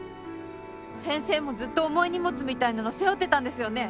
先生もずっと重い荷物みたいなの背負ってたんですよね。